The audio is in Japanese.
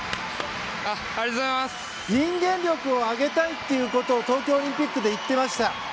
人間力を上げたいって東京オリンピックで言ってました。